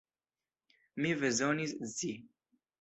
Mi bezonis scii!